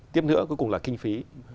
tiếp nữa cuối cùng là kinh phí